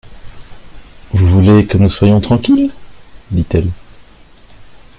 —«Vous voulez que nous soyons tranquilles,» dit-elle.